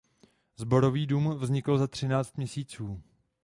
Sborový dům vznikl za třináct měsíců.